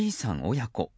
親子。